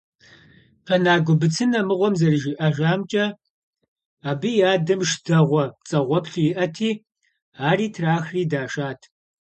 Пэнагуэ Быцинэ мыгъуэм зэрыжиӏэжамкӏэ, абы и адэм шы дэгъуэ пцӏэгъуэплъу иӏэти, ари трахри дашат.